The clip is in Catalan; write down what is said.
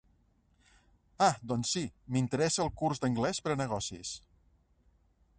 Ah doncs si, m'interessa el curs d'anglès per a negocis.